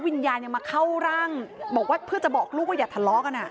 วิญญาณยังมาเข้าร่างบอกว่าเพื่อจะบอกลูกว่าอย่าทะเลาะกัน